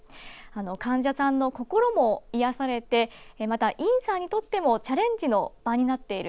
患者さんの心も癒やされてまた尹さんにとってもチャレンジの場になっている。